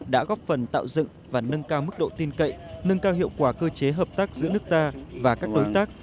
đã góp phần tạo dựng và nâng cao mức độ tin cậy nâng cao hiệu quả cơ chế hợp tác giữa nước ta và các đối tác